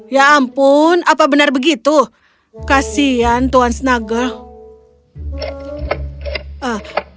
ya ampun apa benar begitu kasian tuan snugger